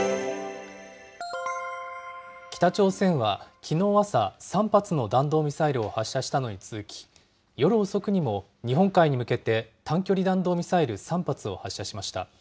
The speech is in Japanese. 北朝鮮は、きのう朝、３発の弾道ミサイルを発射したのに続き、夜遅くにも日本海に向けて短距離弾道ミサイル３発を発射しました。